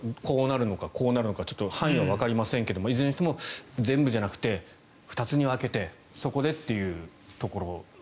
こうなるのか、こうなるのかちょっと範囲はわかりませんがいずれにしても全部じゃなくて２つに分けてそこでっていうところ。